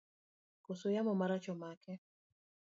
Kose yamo marach omake?